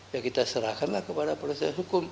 ya kita serahkanlah kepada proses hukum